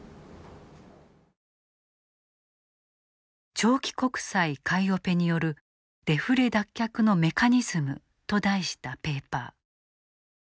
「長期国債買いオペによるデフレ脱却のメカニズム」と題したペーパー。